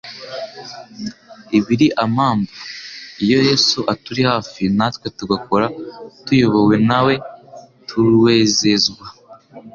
Ibiri amambu, iyo Yesu aturi hafi, natwe tugakora tuyobowe na we turuezezwa